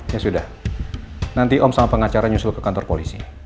ya sudah nanti om sama pengacara nyusul ke kantor polisi